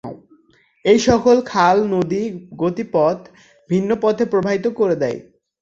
এইসকল খাল নদীর গতিপথ ভিন্ন পথে প্রবাহিত করে দেয়।